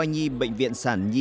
rất nhiều là dân đến rất nguy hiểm